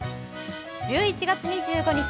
１１月２５日